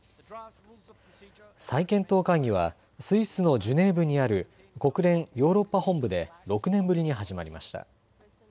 再検討会議はスイスのジュネーブにある国連ヨーロッパ本部で６年ぶりに始まりました。